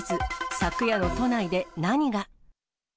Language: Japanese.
昨夜の都内で何が？